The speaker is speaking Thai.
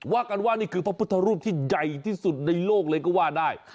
ว่ากันว่านี่คือพระพุทธรูปที่ใหญ่ที่สุดในโลกเลยก็ว่าได้